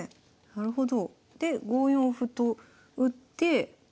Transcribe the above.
なるほど。